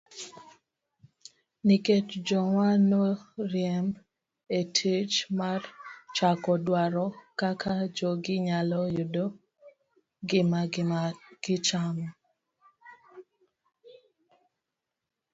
Nikech joma noriemb e tich mar chako dwaro kaka jogi nyalo yudo gima gichamo.